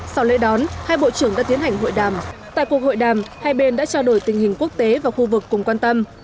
sau lễ đón hai bộ trưởng đã tiến hành hội đàm tại cuộc hội đàm hai bên đã trao đổi tình hình quốc tế và khu vực cùng quan tâm